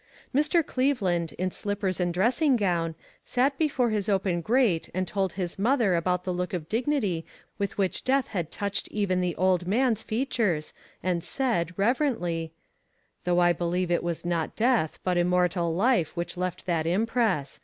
Mr. Cleveland, in slippers and dressing gown, sat before his open grate and told his mother about the look of dignity with 45* 452 ONE COMMONPLACE DAY. which death had touched even the old man's features and said, reverently :" Though I believe it was not death, but immortal life, which left that impress.